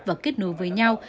và kết nối với nhau